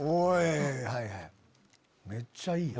めっちゃいいやん。